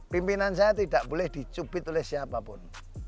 pimpinan saya tidak boleh dicubit oleh siapapun